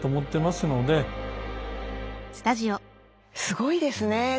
すごいですね。